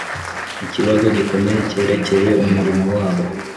ikibazo gikomeye cyerekeye umurimo wabo